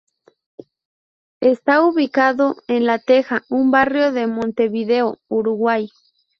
Está ubicado en La Teja un barrio de Montevideo, Uruguay.